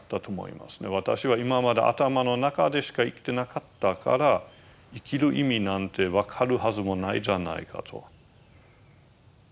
私は今まで頭の中でしか生きてなかったから生きる意味なんて分かるはずもないじゃないかと。